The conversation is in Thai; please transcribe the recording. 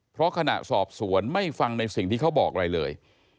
เพราะขณะสอบสวนไม่ฟังในสิ่งที่เขาบอกอะไรเลย